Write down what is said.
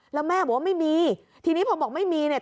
แล้วแม่บอกว่าไม่มีทีนี้พอบอกไม่มีเนี่ย